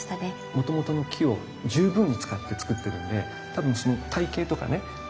もともとの木を十分に使ってつくってるんで多分体形とかね